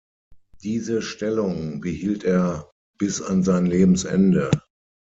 Diese Stellung behielt er bis an sein Lebensende.